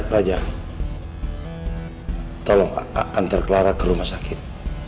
raja tolong pak antar clara ke rumah sakit